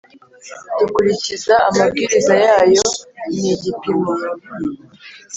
dukurikiza amabwiriza yayo ni igipimo